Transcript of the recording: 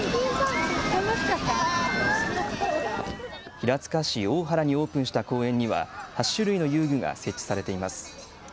平塚市大原にオープンした公園には８種類の遊具が設置されています。